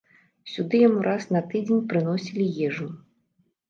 Сюды яму раз на тыдзень прыносілі ежу.